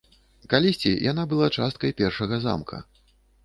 Калісьці яна была часткай першага замка.